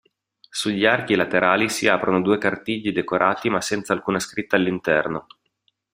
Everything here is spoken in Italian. Sugli archi laterali si aprono due cartigli decorati ma senza alcuna scritta all'interno.